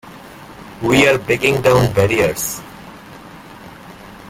We are breaking down barriers.